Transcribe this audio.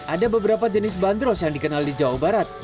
ada beberapa jenis bandros yang dikenal di jawa barat